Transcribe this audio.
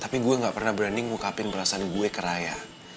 tapi gue gak pernah berani ngukapin perasaan gue ke raya